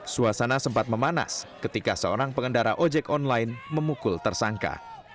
suasana sempat memanas ketika seorang pengendara ojek online memukul tersangka